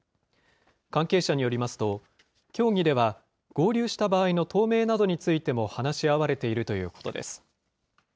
関係者によりますと、協議では、合流した場合の党名などについても、話し合われているということです。